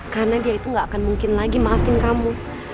karena dia itu gak akan mungkin lagi maafin kamu